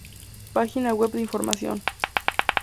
Página Web de información